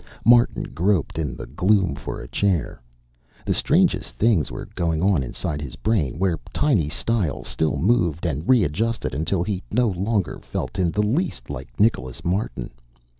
Martin groped in the gloom for a chair. The strangest things were going on inside his brain, where tiny stiles still moved and readjusted until he no longer felt in the least like Nicholas Martin.